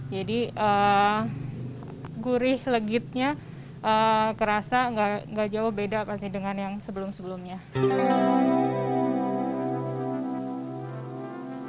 jadi gurih legitnya kerasa gak jauh beda dengan yang sebelumnya ya